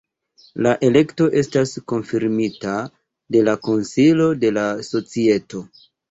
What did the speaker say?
La elekto estas konfirmita de la Konsilo de la Societo.